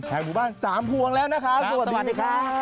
แขกบุบัง๓ห่วงแล้วนะคะสวัสดีครับ